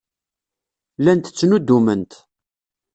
Llant ttnuddument.